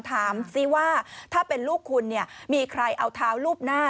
ถามซิว่าถ้าเป็นลูกคุณเนี่ยมีใครเอาเท้าลูบหน้า